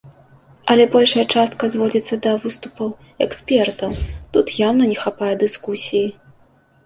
Але большая частка зводзіцца да выступаў экспертаў, тут яўна не хапае дыскусіі.